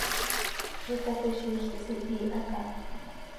Xicaquiziil quih sihiiha caha.